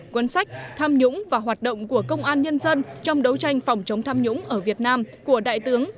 quấn sách tham nhũng và hoạt động của công an nhân dân trong đấu tranh phòng chống tham nhũng ở việt nam của đại tướng